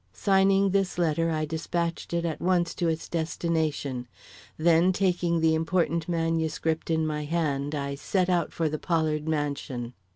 Signing this letter, I despatched it at once to its destination; then taking the important manuscript in my hand, I set out for the Pollard mansion.